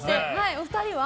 お二人は？